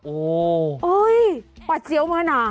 โอ้โหปัดเจี๊ยวมากนาน